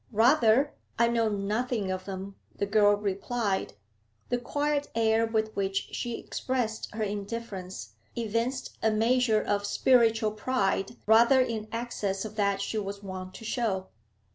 'Rather, I know nothing of them,' the girl replied. The quiet air with which she expressed her indifference evinced a measure of spiritual pride rather in excess of that she was wont to show.